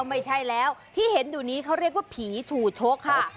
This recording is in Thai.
ไม่ใช่แล้วที่เห็นอยู่นี้เขาเรียกว่าผีฉู่ชกค่ะ